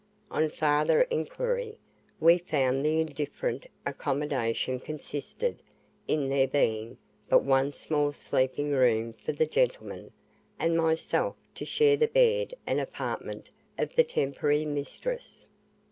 On farther inquiry, we found the indifferent accommodation consisted in their being but one small sleeping room for the gentlemen, and myself to share the bed and apartment of the temporary mistress.